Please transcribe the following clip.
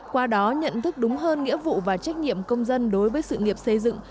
qua đó nhận thức đúng hơn nghĩa vụ và trách nhiệm công dân đối với sự nghiệp xây dựng